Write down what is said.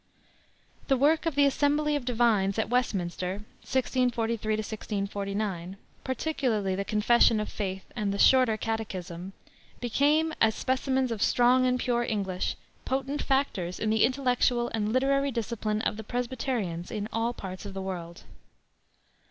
The work of the Assembly of Divines at Westminster (1643 1649), particularly the Confession of Faith, and the Shorter Catechism, became, as specimens of strong and pure English, potent factors in the intellectual and literary discipline of the Presbyterians in all parts of the world.